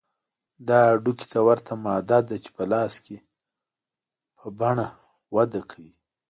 دا هډوکي ته ورته ماده ده چې په لایې په بڼه وده کوي